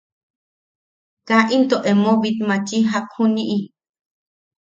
Kaa into emo a bitmachian jak juniʼi.